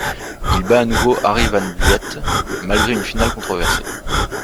Il bat à nouveau Arie van Vliet, malgré une finale controversée.